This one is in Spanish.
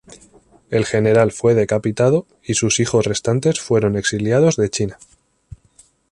El general fue decapitado y sus hijos restantes fueron exiliados de China.